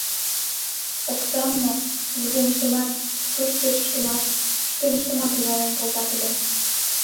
Оксам мо, вургемыштымат, сурт-печыштымат, шкеныштымат ужален колтат ыле.